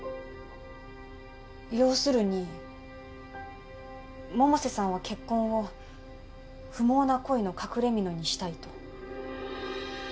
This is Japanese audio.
要するに百瀬さんは結婚を不毛な恋の隠れみのにしたいと？